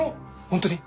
本当に？